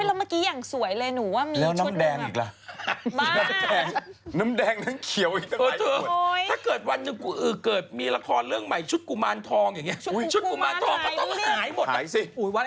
เอาพี่หนุ่มไปดีกว่าไป